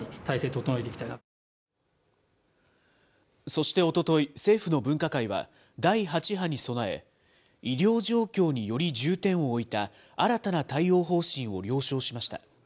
そしておととい、政府の分科会は、第８波に備え、医療状況により重点を置いた新たな対応方針を了承しました。